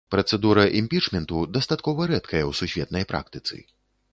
Працэдура імпічменту дастаткова рэдкая ў сусветнай практыцы.